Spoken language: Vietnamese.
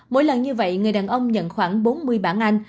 mỗi lần như vậy người đàn ông nhận khoảng bốn mươi bản anh